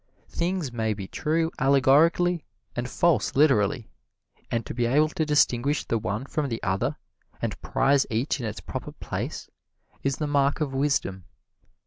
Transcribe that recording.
Things may be true allegorically and false literally, and to be able to distinguish the one from the other, and prize each in its proper place, is the mark of wisdom.